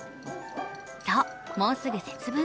そう、もうすぐ節分。